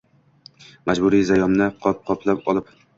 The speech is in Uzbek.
Majburiy zayomni qop-qoplab olib